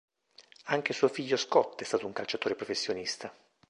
Anche suo figlio Scot è stato un calciatore professionista.